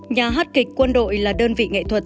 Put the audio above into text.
nhà hát kịch quân đội là đơn vị nghệ thuật